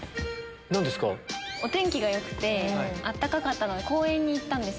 お天気がよくて暖かかったので公園に行ったんです。